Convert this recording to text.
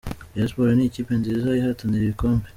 Rayon Sports ni ikipe nziza ihatanira ibikombe.